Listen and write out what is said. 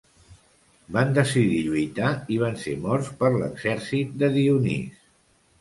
Van decidir lluitar i van ser morts per l'exèrcit de Dionís.